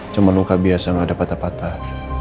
cuma luka biasa nggak ada patah patah